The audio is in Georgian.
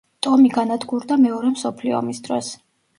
ტომი განადგურდა მეორე მსოფლიო ომის დროს.